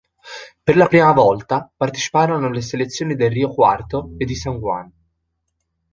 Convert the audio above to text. Per la prima volta parteciparono le selezioni del Rio Cuarto e di San Juan.